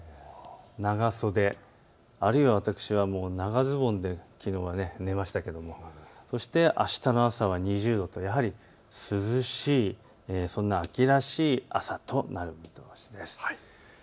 長袖あるいは、私は長ズボンできのうは寝ましたがそしてあしたの朝は２０度と涼しい、そんな秋らしくなる見通しです。